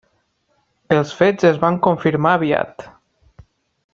Els fets es van confirmar aviat.